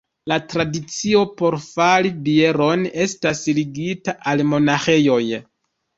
La tradicio por fari bieron estas ligita al monaĥejoj.